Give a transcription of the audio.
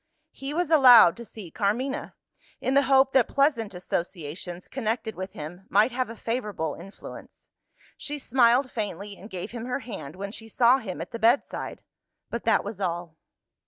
He was allowed to see Carmina, in the hope that pleasant associations connected with him might have a favourable influence. She smiled faintly, and gave him her hand when she saw him at the bedside but that was all.